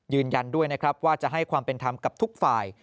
ยืนยันด้วยนะครับว่าจะให้ความเป็นธรรมกับทุกฝ่าย